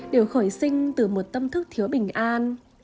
đều khởi sinh từ một tâm thức thiếu bình an